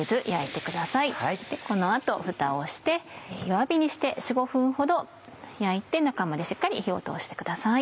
この後ふたをして弱火にして４５分ほど焼いて中までしっかり火を通してください。